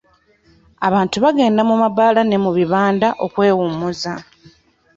Abantu bagenda mu mabaala ne mu bibanda okwewummuza.